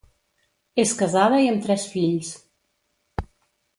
És casada i amb tres fills.